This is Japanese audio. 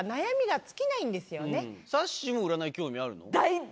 さっしーも占い興味あるの？